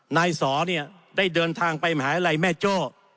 นายสอเนี่ยได้เดินทางไปมหาลัยแม่โจ้